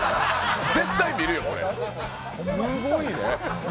絶対見るよ、これ、すごいね。